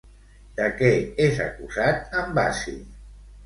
De què és acusat en Basi?